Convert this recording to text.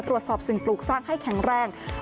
ตรวจสอบสิ่งปลูกสร้างให้แข็งแรง